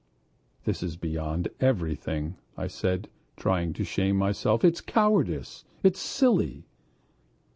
"This is beyond everything," I said, trying to shame myself. "It's cowardice! it's silly!"